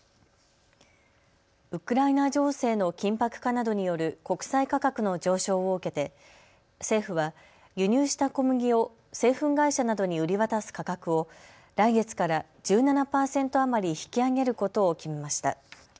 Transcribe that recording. ウクライナ情勢の緊迫化などによる国際価格の上昇を受けて政府は輸入した小麦を製粉会社などに売り渡す価格を来月から１７％余り引き上げることを決めました。